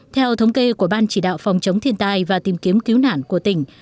theo thống kê của ban chỉ đạo phòng chống thiên tai và tìm kiếm cứu nạn của tỉnh